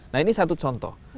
nah ini satu contoh